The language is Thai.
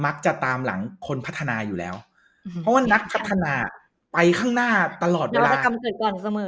มักจะตามหลังคนพัฒนาอยู่แล้วเพราะว่านักพัฒนาไปข้างหน้าตลอดเวลา